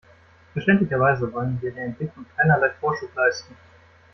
Verständlicherweise wollen wir der Entwicklung keinerlei Vorschub leisten.